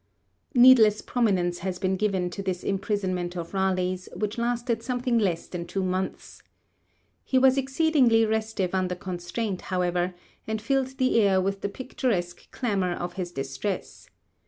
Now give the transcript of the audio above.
Needless prominence has been given to this imprisonment of Raleigh's, which lasted something less than two months. He was exceedingly restive under constraint, however, and filled the air with the picturesque clamour of his distress.